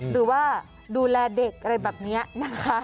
หรือว่าดูแลเด็กอะไรแบบนี้นะคะ